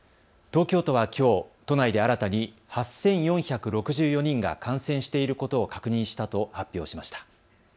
東京都はきょう都内で新たに８４６４人が感染していることを確認したと発表しました。